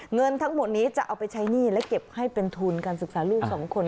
เงินทั้งหมดนี้จะเอาไปใช้หนี้และเก็บให้เป็นทุนการศึกษาลูกสองคน